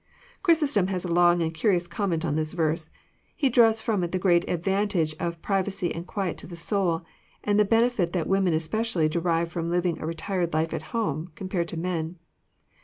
Ohrysostom has a long and curious comment on this verse. He draws from it the great advantage of privacy and quiet to the soul, and the benefit that women especially derive ftom living a retired life at home, compared to men.